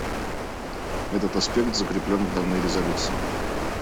Этот аспект не закреплен в данной резолюции.